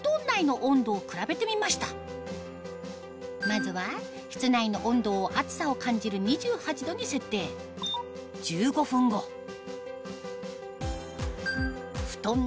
まずは室内の温度を暑さを感じる２８℃に設定１５分後ふとん